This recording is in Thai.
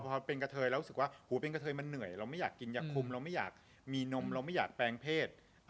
พอเป็นกะเทยแล้วรู้สึกว่าหูเป็นกะเทยมันเหนื่อยเราไม่อยากกินยาคุมเราไม่อยากมีนมเราไม่อยากแปลงเพศ